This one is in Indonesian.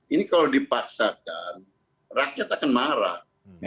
ini kalau dipaksakan rakyat akan marah